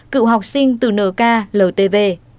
cựu học sinh từ nk ltv